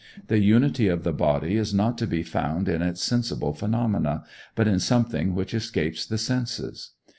The unity of the body is not to be found in its sensible phenomena, but in something which escapes the senses.